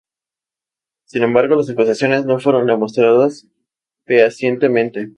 Sin embargo las acusaciones no fueron demostradas fehacientemente.